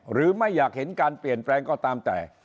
ไม่อยากเห็นการเปลี่ยนแปลงก็ตามแต่